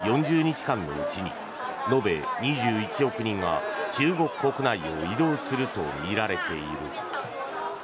今年は春節を挟む４０日間のうちに延べ２１億人が中国国内を移動するとみられている。